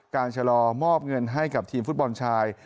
ชะลอมอบเงินให้กับทีมฟุตบอลชาย